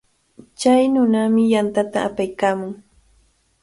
Chay nunami yantata apaykaamun.